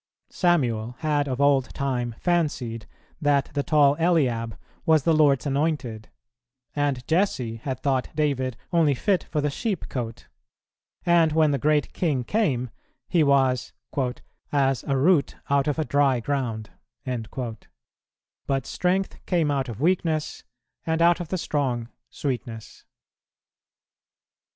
Samuel had of old time fancied that the tall Eliab was the Lord's anointed; and Jesse had thought David only fit for the sheepcote; and when the Great King came, He was "as a root out of a dry ground;" but strength came out of weakness, and out of the strong sweetness.